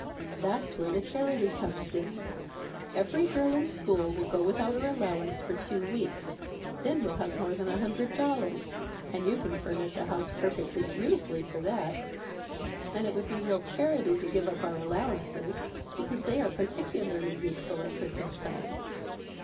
"That's where the charity comes in! Every girl in school will go without her allowance for two weeks. Then we'll have more than a hundred dollars, and you can furnish a house perfectly beautifully for that. And it would be real charity to give up our allowances, because they are particularly useful at Christmas time."